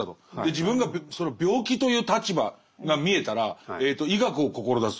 自分が病気という立場が見えたら医学を志す。